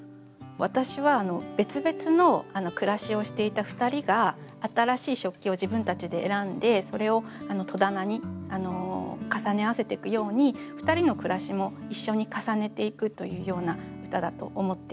私は別々の暮らしをしていた２人が新しい食器を自分たちで選んでそれを戸棚に重ね合わせてくように２人の暮らしも一緒に重ねていくというような歌だと思って読みました。